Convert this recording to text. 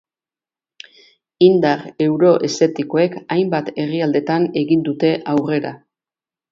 Indar euroeszeptikoek hainbat herrialdetan egin dute aurrera.